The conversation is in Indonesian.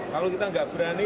kalau kita nggak berani